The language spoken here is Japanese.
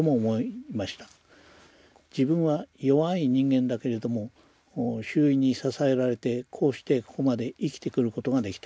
自分は弱い人間だけれども周囲に支えられてこうしてここまで生きてくることができた。